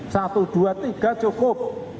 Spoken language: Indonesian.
satu dua tiga cukup